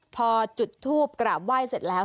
พอจุดทูปกราบไหว้เสร็จแล้ว